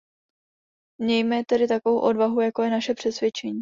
Mějme tedy takovou odvahu, jako je naše přesvědčení.